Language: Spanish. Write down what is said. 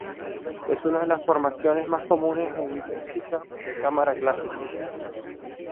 Es una de las formaciones más comunes en música de cámara clásica.